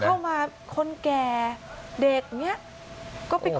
สวัสดีครับ